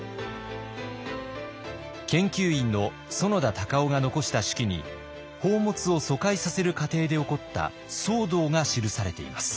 研究員の園田敬男が残した手記に宝物を疎開させる過程で起こった騒動が記されています。